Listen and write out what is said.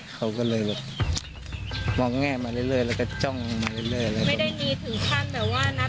เขาก็เลยมองแง่มาเรื่อยแล้วก็จ้องมาเรื่อยไม่ได้มีถึงขั้นแบบว่านัดแน๊บไปเจอกันอะไรอย่างนี้มีไหม